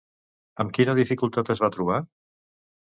Amb quina dificultat es va trobar?